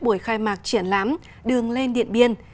buổi khai mạc triển lãm đường lên điện biên